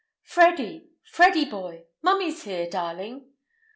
"Freddy! Freddy boy! Mummy's here, darling!"